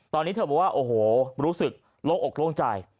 ตอนนี้เธอบอกว่าโอ้โหรู้สึกโล่งอกโล่งใจ